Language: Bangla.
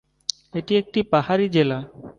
এটি একটি পাহাড়ী জেলা।